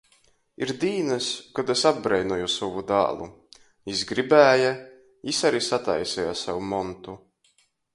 Ir dīnys, kod es apbreinoju sovu dālu. Jis gribēja, jis ari sataiseja sev montu.